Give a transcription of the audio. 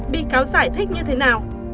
bị cáo giải thích như thế nào